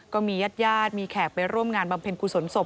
ก็มีญาติญาติมีแขกไปร่วมงานบำเพ็ญกุศลศพ